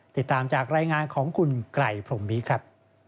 ติดตามจากรายงานของคุณไกรพรมมิครับ